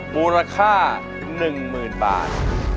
มูลค่าหนึ่งหมื่นบาท